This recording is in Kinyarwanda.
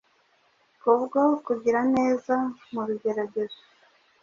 Kubwo kugiraneza mu bigeragezo,